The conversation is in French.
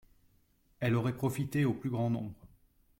Elle aurait profité au plus grand nombre